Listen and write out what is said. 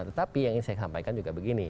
tetapi yang ingin saya sampaikan juga begini